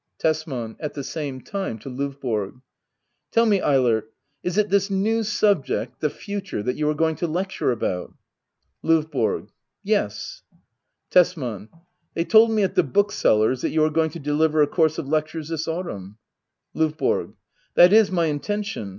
Tesman. [At the same time, to LdvBORO.] Tell me^ Eilert — is it this new subject — the future — that you are going to lecture about ? LdVBORO. Yes. Tesman. They told me at the bookseller's that you are going to deliver a course of lectures this autumn. L&VBORO. That is my intention.